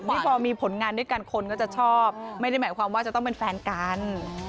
นี่พอมีผลงานด้วยกันคนก็จะชอบไม่ได้หมายความว่าจะต้องเป็นแฟนกัน